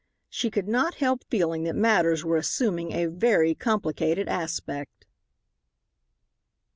She could not help feeling that matters were assuming a very complicated aspect.